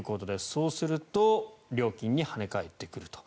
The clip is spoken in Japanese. そうすると料金に跳ね返ってくると。